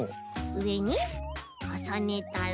うえにかさねたら。